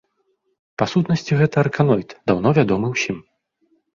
Па сутнасці гэта арканоід, даўно вядомы ўсім.